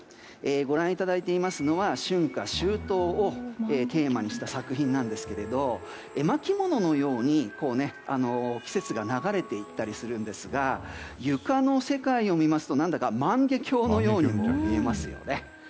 ご覧いただいていますのは春夏秋冬をテーマにした作品なんですけれど絵巻物のように季節が流れていったりするんですが床の世界を見ますと何だか万華鏡のようにも見えますよね。